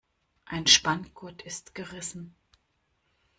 Ein Spanngurt ist gerissen.